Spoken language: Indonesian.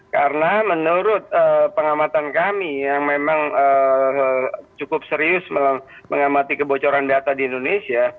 karena menurut pengamatan kami yang memang cukup serius mengamati kebocoran data di indonesia